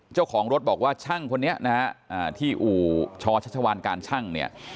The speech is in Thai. เจ้าของรถบอกว่าช่างคนนี้นะฮะที่อู่ชัชวานการชั่งเนี่ย